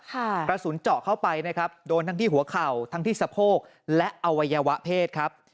กระสุนเจาะเข้าไปนะครับโดนทั้งที่หัวเข่าทั้งที่สะโพกและอวัยวะเพศครับ